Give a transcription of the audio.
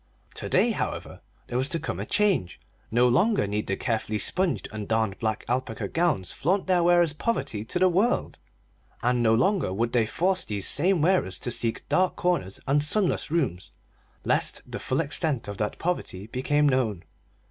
To day, however, there was to come a change. No longer need the carefully sponged and darned black alpaca gowns flaunt their wearers' poverty to the world, and no longer would they force these same wearers to seek dark corners and sunless rooms, lest the full extent of that poverty become known.